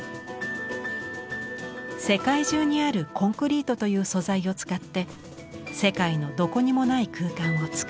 世界中にあるコンクリートという素材を使って世界のどこにもない空間をつくる。